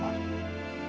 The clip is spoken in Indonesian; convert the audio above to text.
atau saya yang keluar